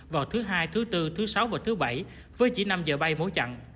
vào thứ hai thứ bốn thứ sáu và thứ bảy với chỉ năm giờ bay mỗi chặng